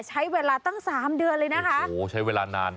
ใช้เวลาตั้งสามเดือนเลยนะคะโอ้โหใช้เวลานาน